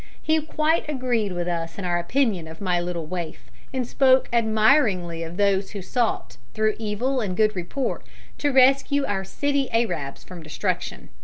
He quite agreed with us in our opinion of my little waif, and spoke admiringly of those who sought, through evil and good report, to rescue our "City Arabs" from destruction.